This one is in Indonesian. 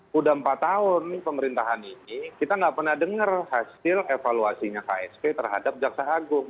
sudah empat tahun pemerintahan ini kita nggak pernah dengar hasil evaluasinya ksp terhadap jaksa agung